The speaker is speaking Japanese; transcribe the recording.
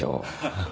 ハハハ。